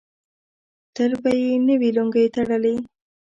تل به یې نوې لونګۍ تړلې.